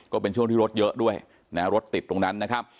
ก็เป็นช่วงที่รถเยอะด้วยนะรถติดตรงนั้นนะครับ